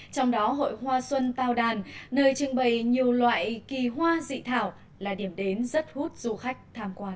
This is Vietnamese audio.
trong đó hội hoa xuân tao đàn nơi trưng bày nhiều loại kỳ hoa dị thảo là điểm đến rất hút du khách tham quan